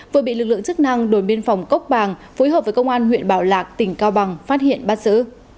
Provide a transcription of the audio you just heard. vừa bị lực lượng chức năng đồn biên phòng cốc bàng phối hợp với công an huyện bảo lạc tỉnh cao bằng phát hiện bắt xử